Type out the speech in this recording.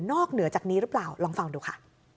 เหนือจากนี้หรือเปล่าลองฟังดูค่ะ